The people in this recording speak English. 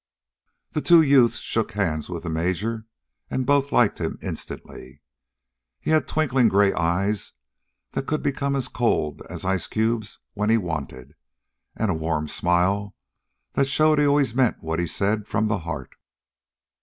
The two youths shook hands with the major, and both liked him instantly. He had twinkling grey eyes that could become as cold as ice cubes when he wanted, and a warm smile that showed he always meant what he said from the heart.